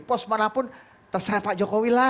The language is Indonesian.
pos manapun terserah pak jokowi lah